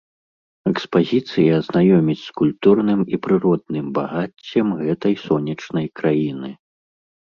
Экспазіцыя знаёміць з культурным і прыродным багаццем гэтай сонечнай краіны.